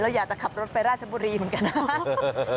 อยากจะขับรถไปราชบุรีเหมือนกันนะครับ